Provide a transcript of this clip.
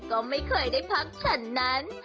อ้าวตะหมุยไม่เคยได้พักฉันใด